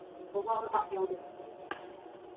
它们是阿巴拉契亚山脉的组成部分。